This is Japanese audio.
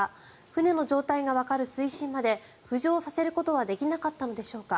船の状態がわかる水深まで浮上させることはできなかったのでしょうか。